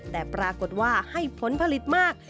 แต่ปรากฏว่าให้ผลผลิตมาก